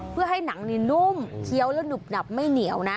เพื่อให้หนังนี่นุ่มเคี้ยวแล้วหนุบหนับไม่เหนียวนะ